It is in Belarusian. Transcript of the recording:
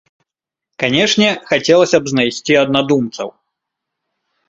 Канечне, хацелася б знайсці аднадумцаў.